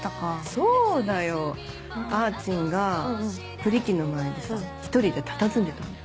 そうだよあーちんがプリ機の前でさ１人でたたずんでたんだよ。